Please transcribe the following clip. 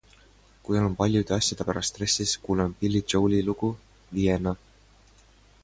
Kui olen paljude asjade pärast stressis, siis kuulan Billy Joeli lugu "Vienna".